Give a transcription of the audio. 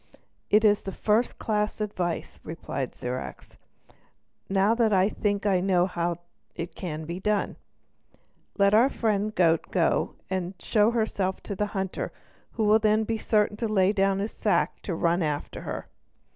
"It is first class advice," replied Zirac. "Now I think I know how it can be done. Let our friend the goat go and show herself to the hunter, who will then be certain to lay down the sack to run after her."